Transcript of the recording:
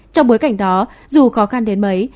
trong bối cảnh đó dù khó khăn đến mấy